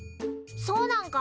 そうなんか？